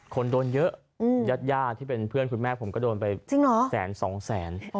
คนโดนเยอะญาติญาติที่เป็นเพื่อนคุณแม่ผมก็โดนไปแสนสองแสน